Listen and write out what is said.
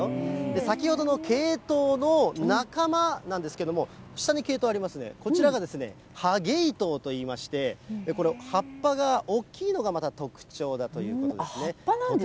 先ほどのケイトウの仲間なんですけれども、下にケイトウありますね、こちらがハゲイトウといいまして、これ、葉っぱが大きいのが、葉っぱなんですね。